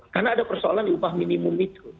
karena ada persoalan di upah minimum itu